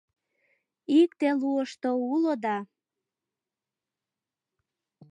Икте луышто уло да